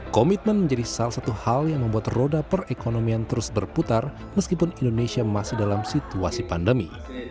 komitmen menjadi salah satu hal yang membuat roda perekonomian terus berputar meskipun indonesia masih dalam situasi pandemi